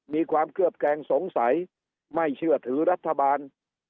มีความเคลือบแกรงสงสัยไม่เชื่อถือรัฐบาล